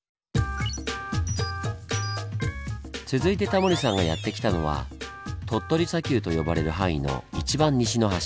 続いてタモリさんがやって来たのは「鳥取砂丘」と呼ばれる範囲の一番西の端。